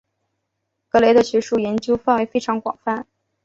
格雷的学术研究范围非常广泛。